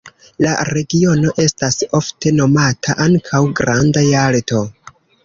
La regiono estas ofte nomata ankaŭ "Granda Jalto".